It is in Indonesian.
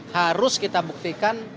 harus kita buktikan